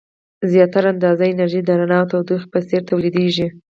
زیاتره اندازه انرژي د رڼا او تودوخې په څیر تولیدیږي.